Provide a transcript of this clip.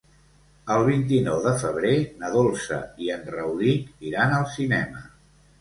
El vint-i-nou de febrer na Dolça i en Rauric iran al cinema.